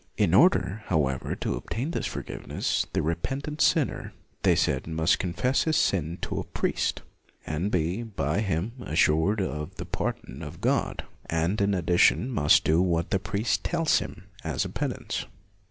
In order, however, to obtain this forgiveness, the repentant sinner, they said, must confess his sin to a priest, and be, by him, assured of the pardon of God, and in addition must do what the priest tells him as a penance.